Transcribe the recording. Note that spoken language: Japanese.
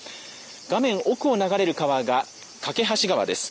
画面奥を流れる川が梯川です。